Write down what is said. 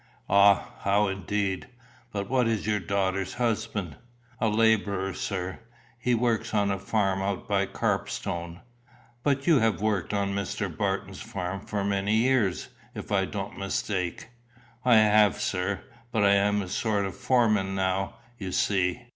"Ah, how indeed? But what is your daughter's husband?" "A labourer, sir. He works on a farm out by Carpstone." "But you have worked on Mr. Barton's farm for many years, if I don't mistake?" "I have, sir; but I am a sort of a foreman now, you see."